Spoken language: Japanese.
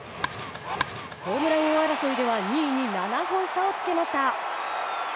ホームラン王争いでは２位に７本差をつけました。